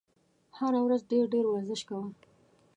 هره ورځ ډېر ډېر ورزش کوه !